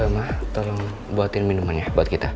ma tolong buatin minuman ya buat kita